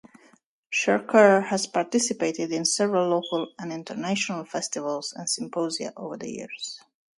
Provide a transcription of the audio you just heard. Chirikure has participated in several local and international festivals and symposia over the years.